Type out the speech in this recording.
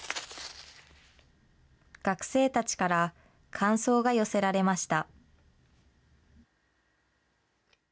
学生たちから、感想が寄せられました。